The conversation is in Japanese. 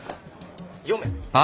読め。